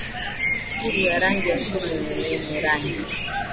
furu ya rangi ya sumu yenye rangi